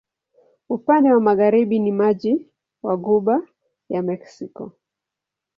Upande wa magharibi ni maji wa Ghuba ya Meksiko.